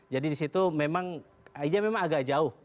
jadi di situ memang agak jauh